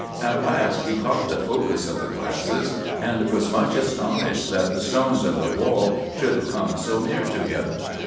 At last he caught the focus of the glasses, and was much astonished that the stones of the wall should come so near to him.